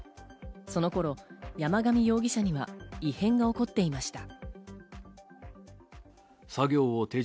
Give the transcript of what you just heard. その頃、山上容疑者には異変が起こっていました。